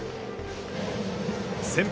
先発